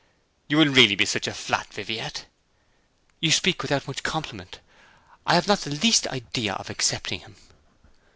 'You will really be such a flat, Viviette?' 'You speak without much compliment. I have not the least idea of accepting him.'